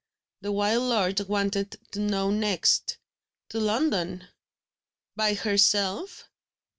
the wild lord wanted to know next. "To London." "By herself?"